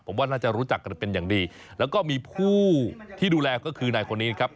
ผมว่าน่าจะรู้จักกันเป็นอย่างดีแล้วก็มีผู้ที่ดูแลก็คือนายคนนี้นะครับ